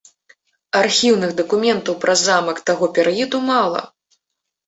Архіўных дакументаў пра замак таго перыяду мала.